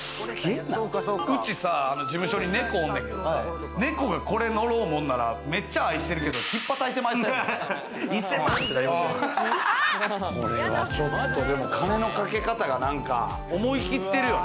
うちさ、事務所に猫おんねんけどさ、猫がこれ乗ろうもんなら、めっちゃ愛してるけど、ひっぱたいてまこれはちょっと金のかけ方が何か思い切ってるよね。